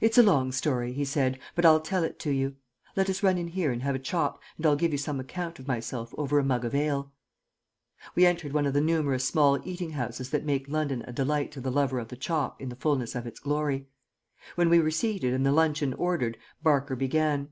"It's a long story," he said, "but I'll tell it to you. Let us run in here and have a chop, and I'll give you some account of myself over a mug of ale." We entered one of the numerous small eating houses that make London a delight to the lover of the chop in the fulness of its glory. When we were seated and the luncheon ordered Barker began.